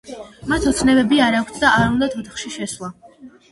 მათ ოცნებები არ აქვთ და არ უნდათ ოთახში შესვლა.